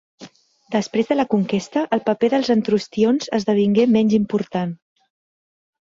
Després de la conquesta, el paper dels "antrustions" esdevingué menys important.